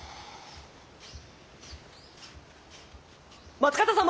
・松方様